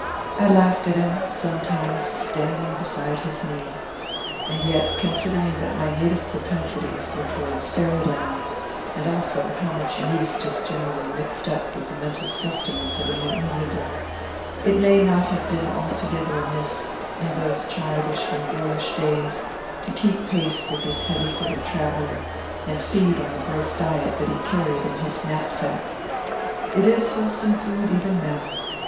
I laughed at him, sometimes, standing beside his knee. And yet, considering that my native propensities were towards Fairy Land, and also how much yeast is generally mixed up with the mental sustenance of a New Englander, it may not have been altogether amiss, in those childish and boyish days, to keep pace with this heavy footed traveller and feed on the gross diet that he carried in his knapsack. It is wholesome food even now.